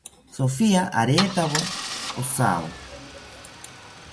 Sofia aretawo ojawo